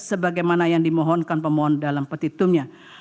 sebagaimana yang dimohonkan pemohon dalam petitumnya